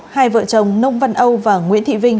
hai vợ chồng nông văn âu và nguyễn thị vinh